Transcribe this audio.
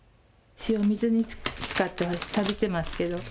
塩水につかってさびてますけど。